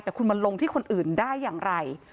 แต่คุณมาลงที่คนอื่นได้อย่างไร